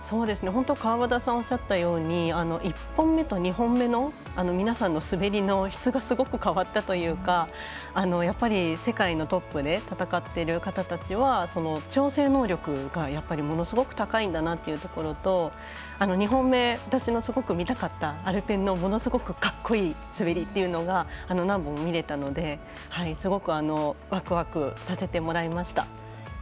川端さんがおっしゃったように１本目と２本目の皆さんの滑りの質がすごい変わったというか世界のトップで戦ってる方たちは調整能力が、ものすごく高いんだなというところと２本目、私のすごく見たかったアルペンのものすごくかっこいい滑りというのが何本も見れたので、すごくワクワクさせてもらいました。